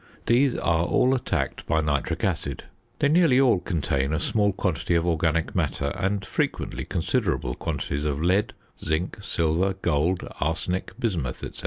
These are all attacked by nitric acid. They nearly all contain a small quantity of organic matter, and frequently considerable quantities of lead, zinc, silver, gold, arsenic, bismuth, &c.